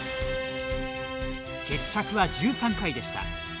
決着は１３回でした。